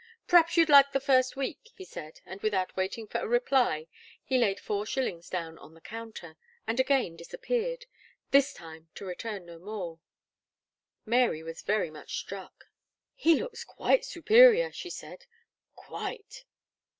"P'r'aps you'd like the first week," he said; and without waiting for a reply, he laid four shillings down on the counter, and again disappeared this time to return no more. Mary was very much struck. "He looks quite superior," she said, "quite.